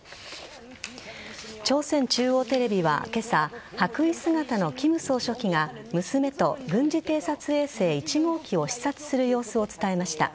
朝鮮中央テレビは今朝白衣姿の金総書記が娘と軍事偵察衛星１号機を視察する様子を伝えました。